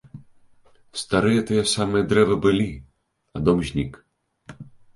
Старыя тыя самыя дрэвы былі, а дом знік.